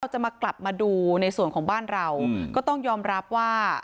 จะมากลับมาดูในส่วนของบ้านเราก็ต้องยอมรับว่า